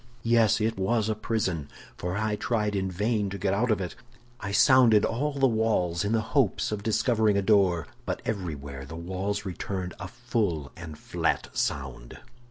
"Yes, it was a prison, for I tried in vain to get out of it. I sounded all the walls, in the hopes of discovering a door, but everywhere the walls returned a full and flat sound.